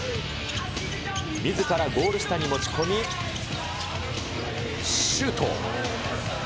みずからゴール下に持ち込み、シュート。